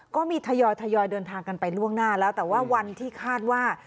ก็มีทยอยทยอยเดินทางกันไปล่วงหน้าแล้วแต่ว่าวันที่คาดว่า